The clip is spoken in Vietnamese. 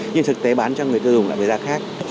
nhưng thực tế bán cho người tiêu dùng lại với giá khác